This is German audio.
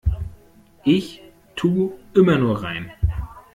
Ich tu' immer nur rein.